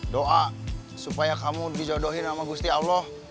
doa supaya kamu dijodohin sama gusti allah